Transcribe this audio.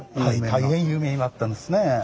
大変有名になったんですね。